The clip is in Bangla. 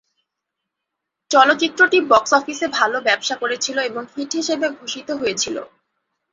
চলচ্চিত্রটি বক্স অফিসে ভালো ব্যবসা করেছিলো এবং "হিট" হিসেবে ঘোষিত হয়েছিলো।